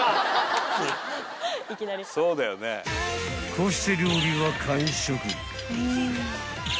［こうして料理は］